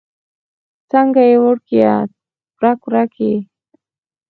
څنګه يې وړکيه؛ ورک ورک يې؟